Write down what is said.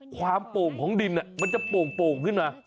โป่งของดินมันจะโป่งขึ้นมา